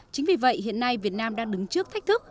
chính vì vậy hiện nay việt nam đang đứng trước thách thức